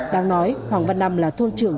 đang nói hoàng văn nam là thôn trưởng